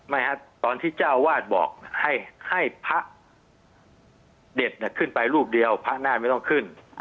ครับตอนที่เจ้าวาดบอกให้พระเด็ดขึ้นไปรูปเดียวพระนาฏไม่ต้องขึ้น